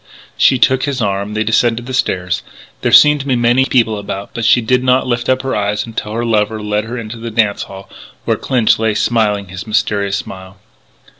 She took his arm: they descended the stairs. There seemed to be many people about but she did not lift her eyes until her lover led her into the dance hall where Clinch lay smiling his mysterious smile.